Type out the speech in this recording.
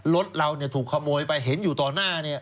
รถเราถูกขโมยไปเห็นอยู่ต่อหน้า